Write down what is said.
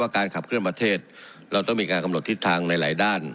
การขับเคลื่อนประเทศเราต้องมีการกำหนดทิศทางในหลายด้าน